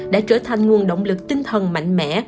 đã trở thành nguồn động lực tinh thần mạnh mẽ